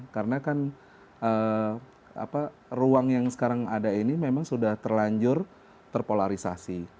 karena kan ruang yang sekarang ada ini memang sudah terlanjur terpolarisasi